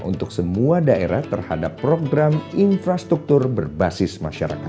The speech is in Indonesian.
untuk semua daerah terhadap program infrastruktur berbasis masyarakat